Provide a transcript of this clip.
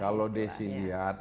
kalau desy lihat